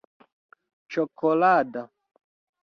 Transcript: ĉokolada